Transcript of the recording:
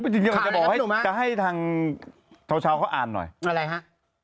จริงจะบอกจะให้ทางเช้าเขาอ่านหน่อยอะไรฮะ